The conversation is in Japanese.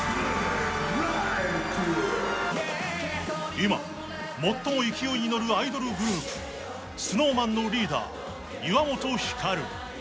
今最も勢いにのるアイドルグループＳｎｏｗＭａｎのリーダー岩本照